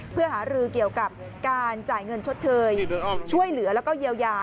เพื่อหารือเกี่ยวกับการจ่ายเงินชดเชยช่วยเหลือแล้วก็เยียวยา